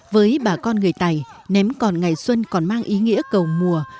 với bà con người tày ném còn ngày xuân còn mang ý nghĩa cầu mùa